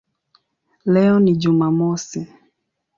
Leo ni Jumamosi".